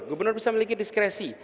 gubernur bisa memiliki diskresi